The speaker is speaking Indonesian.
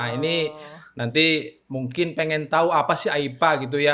ini nanti mungkin pengen tahu apa sih aipa gitu ya